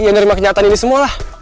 ya nerima kenyataan ini semua lah